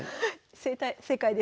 正解です。